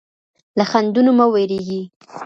له خنډونو مه وېرېږئ.